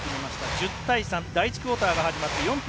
１０対３、第１クオーターが始まって４分。